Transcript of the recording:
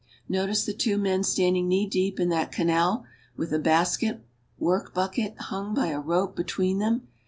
Notice the two men standing knee deep in that canal with a basket work bucket hung by a rope between them.